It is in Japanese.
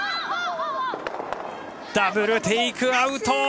ダブルテイクアウト！